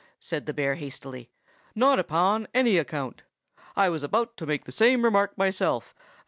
said the bear hastily, "not upon any account. I was about to make the same remark myself.